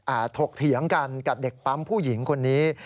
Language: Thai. ถกเถียงกันกับเด็กปั๊มผู้หญิงคนนี้